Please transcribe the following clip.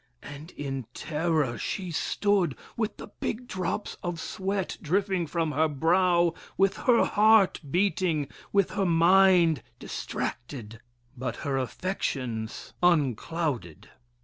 _ And in terror she stood, with the big drops of sweat dripping from her brow, with her heart beating, with her mind distracted, but her affections unclouded.